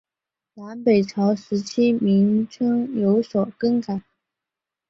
南北朝时期名称有所更改。